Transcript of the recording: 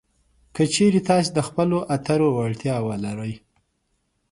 که چېرې تاسې د خبرو اترو وړتیا ولرئ